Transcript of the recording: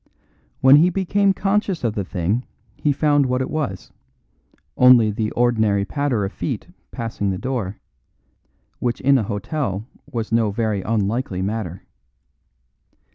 When he became conscious of the thing he found what it was: only the ordinary patter of feet passing the door, which in an hotel was no very unlikely matter.